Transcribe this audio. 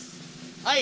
はい。